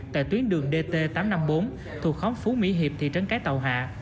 tại tuyến đường dt tám trăm năm mươi bốn thuộc khóm phú mỹ hiệp thị trấn cái tàu hạ